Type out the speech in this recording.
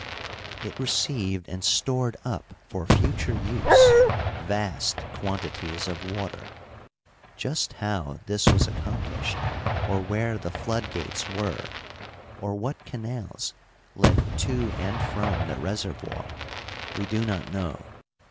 It received and stored up for future use vast quantities of water. Just how this was accomplished or where the flood gates were, or what canals led to and from the reservoir we do not know.